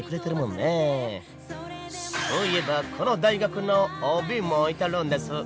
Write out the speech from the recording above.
そういえばこの大学のＯＢもいてるんです。